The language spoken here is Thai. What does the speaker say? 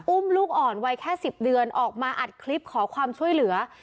ลูกอ่อนวัยแค่๑๐เดือนออกมาอัดคลิปขอความช่วยเหลือ